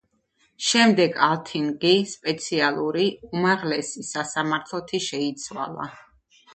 შემდეგ ალთინგი სპეციალური უმაღლესი სასამართლოთი შეიცვალა.